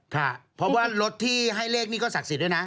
ค่ะเพราะว่ารถที่ให้เลขนี้ก็ศักดิ์สิทธิ์ด้วยนะ